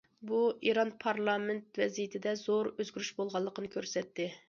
بۇ، ئىران پارلامېنت ۋەزىيىتىدە زور ئۆزگىرىش بولغانلىقىنى كۆرسەتتى.